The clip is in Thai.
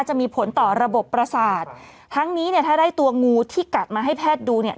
จะมีผลต่อระบบประสาททั้งนี้เนี่ยถ้าได้ตัวงูที่กัดมาให้แพทย์ดูเนี่ย